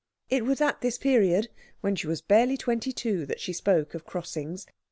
It was at this period, when she was barely twenty two, that she spoke of crossings.